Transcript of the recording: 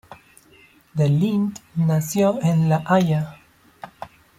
De Lint nació en La Haya.